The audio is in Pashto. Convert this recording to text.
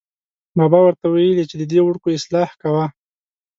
بابا ور ته ویلې چې ددې وړکو اصلاح کوه.